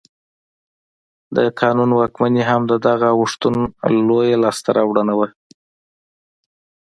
د قانون واکمني هم د دغه اوښتون لویه لاسته راوړنه وه.